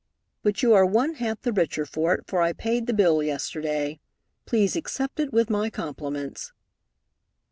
But you are one hat the richer for it, for I paid the bill yesterday. Please accept it with my compliments."